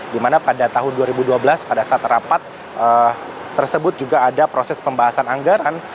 dimana pada tahun dua ribu dua belas pada saat rapat tersebut juga ada proses pembahasan anggaran